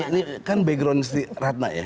ini kan background ratna ya